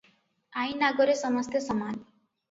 ଆଇନ ଆଗରେ ସମସ୍ତେ ସମାନ ।